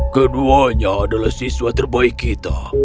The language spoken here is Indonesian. keduanya adalah siswa terbaik kita